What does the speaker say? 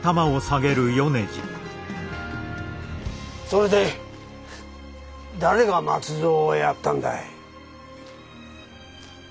それで誰が松蔵をやったんだい？